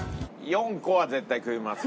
４個は絶対食えます。